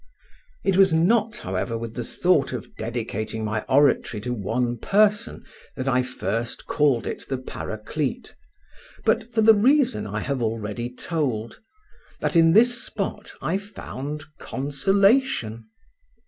It was not, however, with the thought of dedicating my oratory to one Person that I first called it the Paraclete, but for the reason I have already told, that in this spot I found consolation.